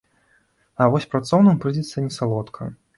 А вось працоўным прыйдзецца несалодка.